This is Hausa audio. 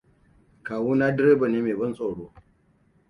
Kawuna direba ne me ban tsoro.